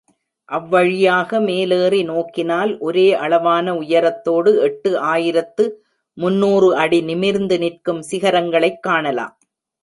அவ்வழியாக மேலேறி நோக்கினால் ஒரே அளவான உயரத்தோடு எட்டு ஆயிரத்து முன்னூறு அடி நிமிர்ந்து நிற்கும் சிகரங்களைக் காணலாம்.